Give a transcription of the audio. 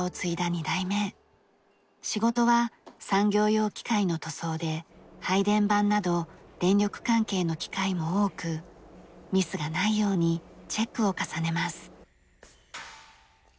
仕事は産業用機械の塗装で配電盤など電力関係の機械も多くミスがないようにチェックを重ねます。